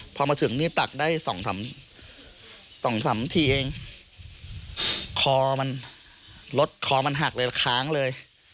พอมาถึงนี่ตักได้สองสามสองสามทีเองคอมันรถคอมันหักเลยค้างเลย